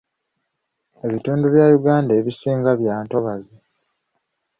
Ebitundu bya Uganda ebisinga bya ntobazi.